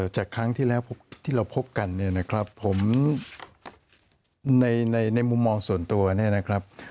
จากครั้งที่แล้วที่เราพบกันเนี่ยนะครับผมในมุมมองส่วนตัวเนี่ยนะครับ